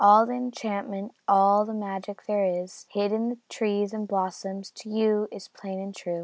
All the enchantment, all the magic there is Hid in trees and blossoms, to you is plain and true.